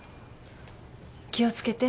気を付けて。